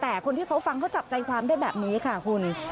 แต่คนที่เขาฟังเขาจับใจความได้แบบนี้ค่ะคุณ